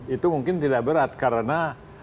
itu mungkin tidak berat karena